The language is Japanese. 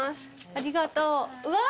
ありがとう。うわ！